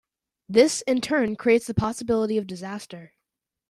This, in turn, creates the possibility of disaster.